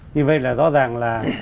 như vậy là rõ ràng là